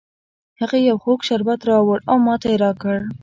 هغې یو خوږ شربت راوړ او ماته یې را کړ